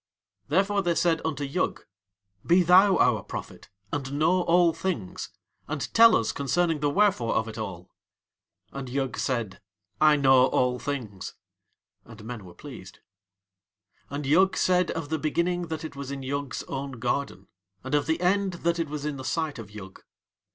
Therefore they said unto Yug: "Be thou our prophet, and know all things, and tell us concerning the wherefore of It All." And Yug said: "I know all things." And men were pleased. And Yug said of the Beginning that it was in Yug's own garden, and of the End that it was in the sight of Yug.